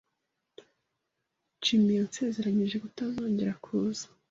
Jim yansezeranije kutazongera kuza.